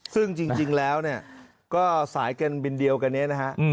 ซึ่งจริงแล้วก็สายการบินเดียวกันนี้นะฮะ